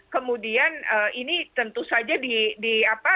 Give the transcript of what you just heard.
kemudian ini tentu saja